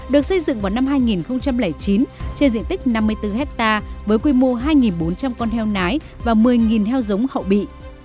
được xây dựng vào năm hai nghìn chín trên diện tích năm mươi bốn hectare với quy mô hai bốn trăm linh con heo nái và một mươi heo giống hậu bị